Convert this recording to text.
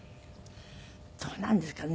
どうなんですかね？